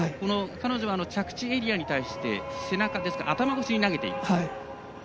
彼女は着地エリアに対して背中頭越しに投げていく。